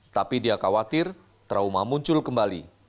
tapi dia khawatir trauma muncul kembali